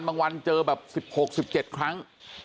วันเจอแบบ๑๖๑๗ครั้ง